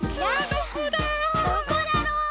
どこだろう？